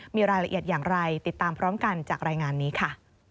มีรายละเอียดอย่างไรติดตามพร้อมกันจากรายงานนี้ค่ะ